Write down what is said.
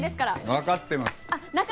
わかってます。